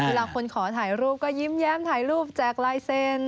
เวลาคนขอถ่ายรูปก็ยิ้มแย้มถ่ายรูปแจกลายเซ็น